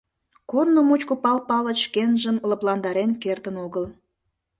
Корно мучко Пал Палыч шкенжым лыпландарен кертын огыл.